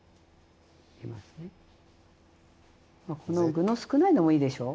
まあこの具の少ないのもいいでしょ。